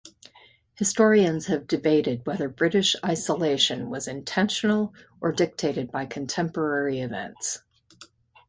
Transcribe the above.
Historians have debated whether British isolation was intentional or dictated by contemporary events.